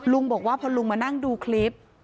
บอกว่าพอลุงมานั่งดูคลิป